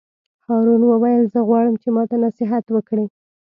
هارون وویل: زه غواړم چې ماته نصیحت وکړې.